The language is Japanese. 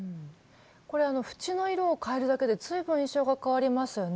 これ縁の色を変えるだけで随分印象が変わりますよね。